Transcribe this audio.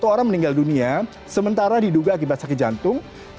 satu orang meninggal dunia sementara diduga akibat sakit jantung